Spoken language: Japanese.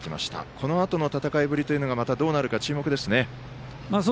このあとの戦いぶりというのがどうなるのか注目ですね。